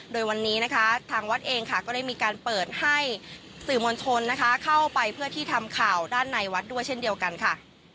โดยวันนี้นะคะทางวัดเองค่ะก็ได้มีการเปิดให้สื่อมวลชนนะคะเข้าไปเพื่อที่ทำข่าวด้านในวัดด้วยเช่นเดียวกันค่ะ